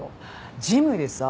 ジムでさ